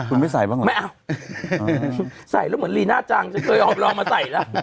คุณไม่ใส่บ้างเหรอไม่เอาใส่แล้วเหมือนลีน่าจังจะเคยหอบรองมาใส่แล้ว